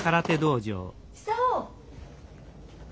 久男！